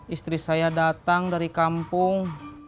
istri saya datang dari kampung